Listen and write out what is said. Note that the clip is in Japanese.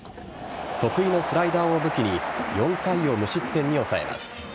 得意のスライダーを武器に４回を無失点に抑えます。